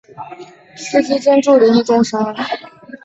司机兼助理亦重伤。